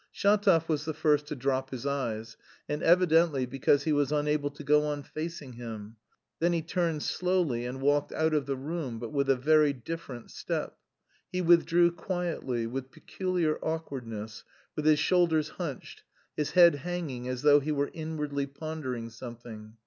Shatov was the first to drop his eyes, and evidently because he was unable to go on facing him; then he turned slowly and walked out of the room, but with a very different step. He withdrew quietly, with peculiar awkwardness, with his shoulders hunched, his head hanging as though he were inwardly pondering something.